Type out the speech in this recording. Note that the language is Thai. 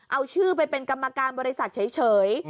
เอาชื่อไปเป็นกรรมการบริษัทเฉย